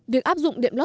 được áp dụng điện thoại